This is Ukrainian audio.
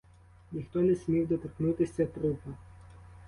Ніхто не смів доторкнутися трупа.